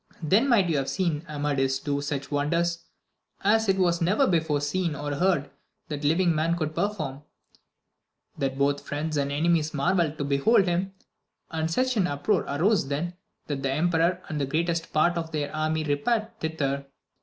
Then might you have seen Amadis do such wonders, as it was never before seen or heard that living man could perform, that both friends and enemies marvelled to behold him, and such an uproar arose then, that the emperor and the greatest part of the army repaired thither.